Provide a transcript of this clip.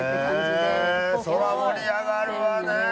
それは盛り上がるわね。